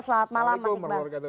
selamat malam mas iqbal